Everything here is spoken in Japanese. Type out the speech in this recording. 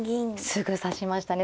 すぐ指しましたね